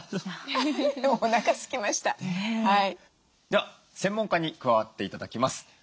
では専門家に加わって頂きます。